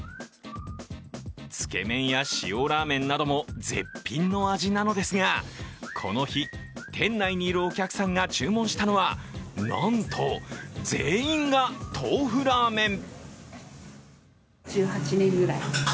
つけ麺や塩ラーメンなども絶品の味なのですが、この日、店内にいるお客さんが注文したのは、なんと、全員がトーフラーメン。